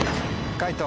解答